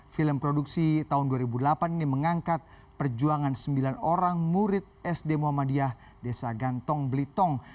film produksi tahun dua ribu delapan ini mengangkat perjuangan sembilan orang murid sd muhammadiyah desa gantong blitong